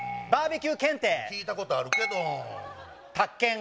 バーベキュー検定聞いたことあるけど宅建